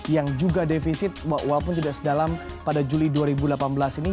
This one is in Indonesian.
yang juga defisit walaupun tidak sedalam pada juli dua ribu delapan belas ini